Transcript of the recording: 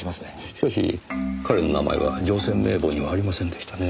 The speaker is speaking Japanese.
しかし彼の名前は乗船名簿にはありませんでしたね。